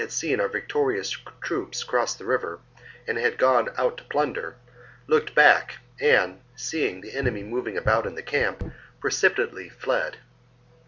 seen our victorious troops cross the river and had gone out to plunder, looked back and, seeing the enemy moving about in the camp, precipitately fled.